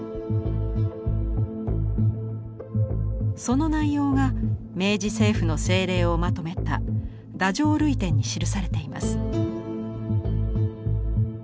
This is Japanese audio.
その内容が明治政府の政令をまとめた「太政類典」に記されています。